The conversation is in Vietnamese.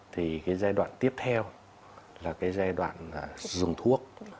thì cái giai đoạn tiếp theo là cái giai đoạn dùng thuốc